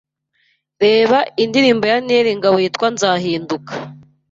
Reba indirimbo ya Nel Ngabo yitwa Nzahinduka